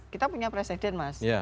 kita punya presiden mas